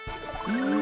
うん！